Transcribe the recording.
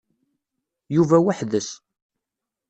Yuba weḥd-s.